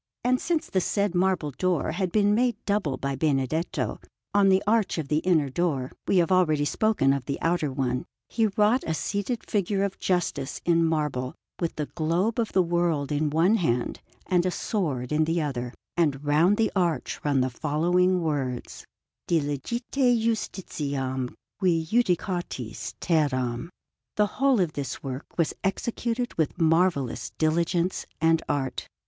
And since the said marble door had been made double by Benedetto, on the arch of the inner door we have already spoken of the outer one he wrought a seated figure of Justice in marble, with the globe of the world in one hand and a sword in the other; and round the arch run the following words: DILIGITE JUSTITIAM QUI JUDICATIS TERRAM. The whole of this work was executed with marvellous diligence and art.